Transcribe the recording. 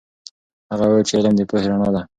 هغه وویل چې علم د پوهې رڼا ده.